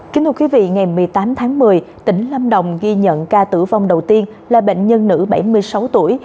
kính thưa quý vị ngày một mươi tám tháng một mươi tỉnh lâm đồng ghi nhận ca tử vong đầu tiên là bệnh nhân nữ bảy mươi sáu tuổi